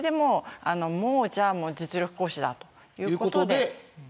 じゃあ実力行使だということで。